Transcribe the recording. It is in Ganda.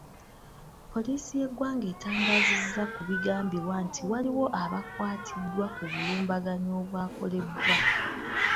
Poliisi y’eggwanga etangaazizza ku bigambibwa nti waliwo abakwatiddwa ku bulumbaganyi obwakolebwa.